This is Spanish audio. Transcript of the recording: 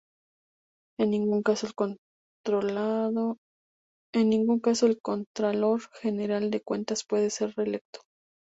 En ningún caso el Contralor General de Cuentas puede ser reelecto.